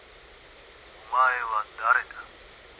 「お前は誰だ？」